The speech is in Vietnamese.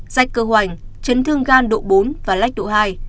rách cơ hoành chấn thương gan độ bốn và lách độ hai